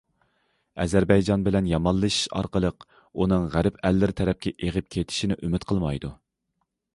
ئەزەربەيجان بىلەن يامانلىشىش ئارقىلىق ئۇنىڭ غەرب ئەللىرى تەرەپكە ئېغىپ كېتىشىنى ئۈمىد قىلمايدۇ.